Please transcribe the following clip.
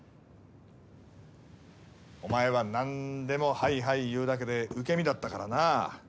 お前は何でもはいはい言うだけで受け身だったからな。